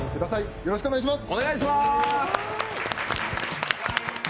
よろしくお願いします。